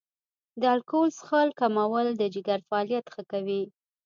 د الکول څښل کمول د جګر فعالیت ښه کوي.